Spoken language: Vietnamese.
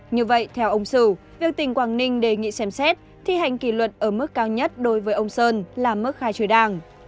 như vậy theo ông sửu việc tỉnh quảng ninh đề nghị xem xét thi hành kỷ luật ở mức cao nhất đối với ông sơn là mức khai trừ đảng